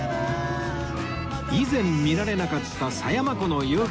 以前見られなかった狭山湖の夕日